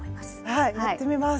はいやってみます！